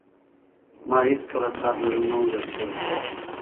ما هیڅکله تاته زړه نه وو درکړی ,